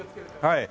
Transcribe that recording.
はい。